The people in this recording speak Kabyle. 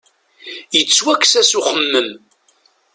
Yettwakkes-as uxemmem.